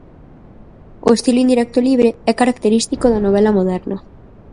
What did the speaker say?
O estilo indirecto libre é característico da novela moderna.